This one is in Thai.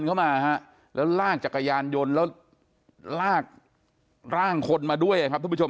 เข้ามาฮะแล้วลากจักรยานยนต์แล้วลากร่างคนมาด้วยครับทุกผู้ชม